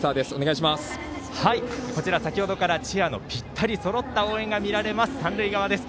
こちら先ほどからチアのぴったりそろった応援が見られる三塁側です。